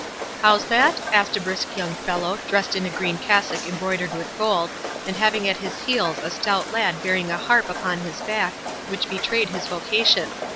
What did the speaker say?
"How's that?" said a brisk young fellow, dressed in a green cassock embroidered with gold, and having at his heels a stout lad bearing a harp upon his back, which betrayed his vocation.